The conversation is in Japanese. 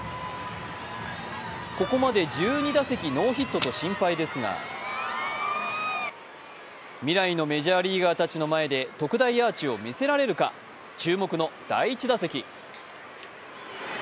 ここまで１２打席ノーヒットと心配ですが、未来のメジャーリーガーたちの前で特大アーチを見せられるか、注目の第１打席。